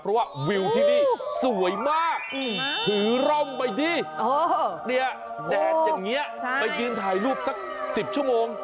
เพราะว่าวิวที่นี่สวยมากถือร่มไปที่แดดอย่างนี้ไปยืนถ่ายรูปสัก๑๐ชั่วโมง